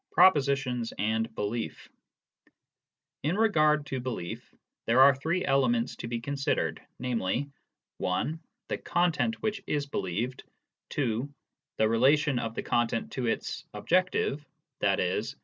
Propositions and Belief, In regard to belief, there are three elements to be con sidered, namely: (1) the content which is believed, (2) the relation of the content to its " objective," i.e.